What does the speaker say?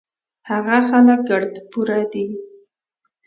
هغه خلک ګړد پوره دي